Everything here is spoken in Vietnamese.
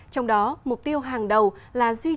trong đó mục tiêu hàng đầu là duy trì hòa bình và an ninh quốc tế